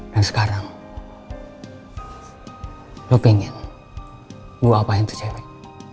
dan sekarang lo pengen gue ngapain tuh cewek